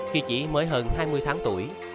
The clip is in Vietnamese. khi chỉ mới hơn hai mươi tháng tuổi